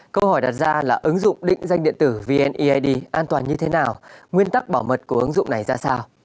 câu hỏi đặt ra là ứng dụng định danh điện tử vneid an toàn như thế nào nguyên tắc bảo mật của ứng dụng này ra sao